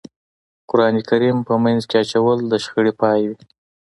قرآن کریم په منځ کې اچول د شخړې پای وي.